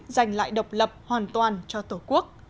giành lại độc lập hoàn toàn cho tổ quốc